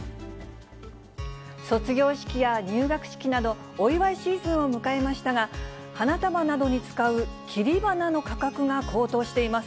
卒業式や入学式など、お祝いシーズンを迎えましたが、花束などに使う切り花の価格が高騰しています。